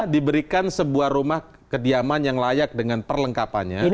diberikan sebuah rumah kediaman yang layak dengan perlengkapannya